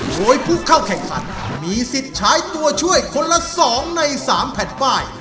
โดยผู้เข้าแข่งขันมีสิทธิ์ใช้ตัวช่วยคนละ๒ใน๓แผ่นป้าย